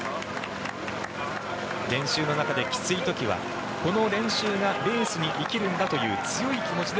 練習の中できつい時はこの練習がレースに生きるんだという強い気持ちで